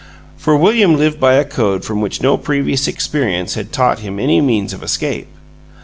For William lived by a code from which no previous experience had taught him any means of escape.